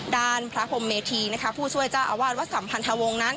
ด้านพระพรมเมธีผู้ช่วยเจ้าอาวาสวัดสัมพันธวงศ์นั้น